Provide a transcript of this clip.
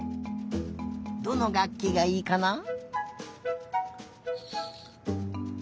どのがっきがいいかな。